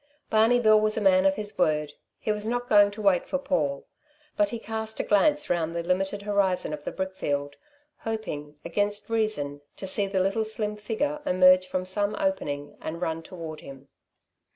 Barney Bill was a man of his word. He was not going to wait for Paul; but he cast a glance round the limited horizon of the brickfield, hoping, against reason, to see the little slim figure emerge from some opening and run toward him.